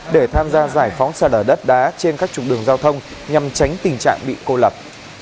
để tham gia giải phóng sạt lở đất đá trên các trục đường giao thông nhằm tránh tình trạng bị cô lập